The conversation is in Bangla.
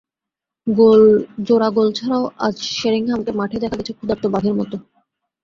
জোড়া গোল ছাড়াও আজ শেরিংহামকে মাঠে দেখা গেছে ক্ষুধার্ত বাঘের মতো।